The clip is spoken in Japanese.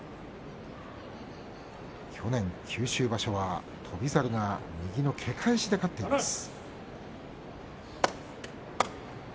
去年、九州場所は翔猿が右のけ返しで勝っています。